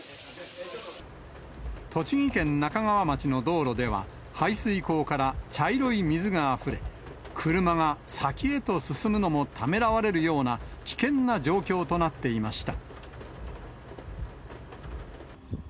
栃木県那珂川町の道路では、排水溝から茶色い水があふれ、車が先へと進むのもためらわれるような、危険な状況となっていました。